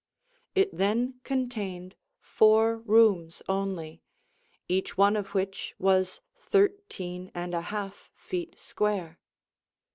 It then contained four rooms only, each one of which was thirteen and a half feet square.